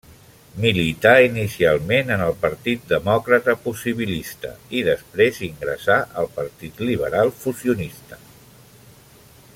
Milità inicialment en el Partit Demòcrata Possibilista i després ingressà al Partit Liberal Fusionista.